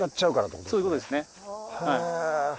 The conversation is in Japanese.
そういうことですね。